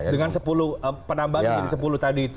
dengan penambahan yang sepuluh tadi itu